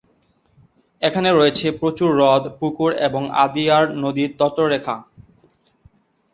এখানে রয়েছে প্রচুর হ্রদ, পুকুর এবং আদিয়ার নদীর তটরেখা।